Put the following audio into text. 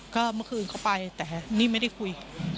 ก็เมื่อคืนเขาไปแต่นี่ไม่ได้คุย